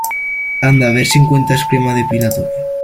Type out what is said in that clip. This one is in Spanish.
anda, a ver si encuentras crema depilatoria.